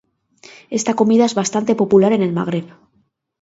Esta comida es bastante popular en el Magreb.